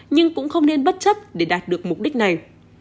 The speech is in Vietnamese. nhưng cũng không nên bất chấp để đạt được mục đích này